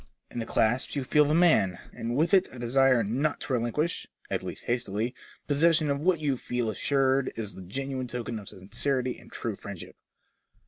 In the clasp you feel the man, and with it a desire not to relinquish (at least hastily) possession of what you feel assured is the genuine token of sincerity and true friendship."